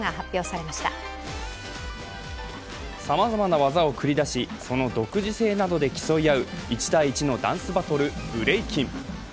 さまざまな技を繰り出しその独自性などで競い合う１対１のダンスバトル、ブレイキン。